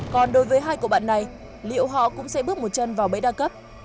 còn đối với hai cậu bạn này liệu họ cũng sẽ bước một chân vào bẫy đa cấp